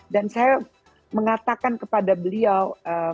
dan saya mengatakan kepada beliau